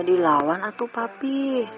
dilawan atu papi